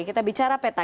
kita bicara peta